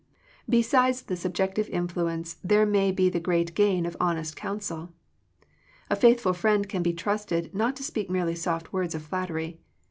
Besides the subjective influence, there may be the great gain of honest counsel. A faithful friend can be trusted not to speak merely soft words of flattery.